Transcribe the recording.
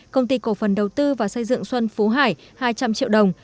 công ty cổ phần đầu tư và xây dựng xuân phú hải hai trăm linh triệu đồng